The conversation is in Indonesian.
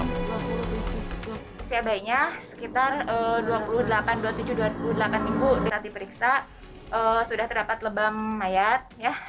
saat diperiksa sudah terdapat lebam mayat